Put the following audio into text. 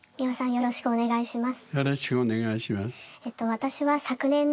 よろしくお願いします。